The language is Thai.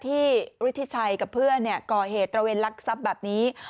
ที่ริฐิชัยกับเพื่อนก่อเหตุตระเวนลักษณ์ซับแบบนี้